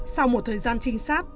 sau một thời gian trinh sát